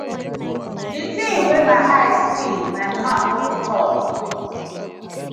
Di tinz wey my eye see my mouth no fit tok.